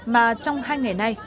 mà trong hai ngày nay